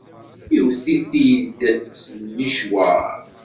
Iwwet-it-id s licwaṛ.